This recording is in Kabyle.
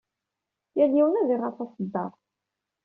Yal yiwen ad d-iɣer taṣeddart.